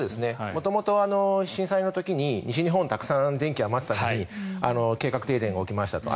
元々、震災の時に西日本はたくさん電気余っていたのに計画停電が起きましたと。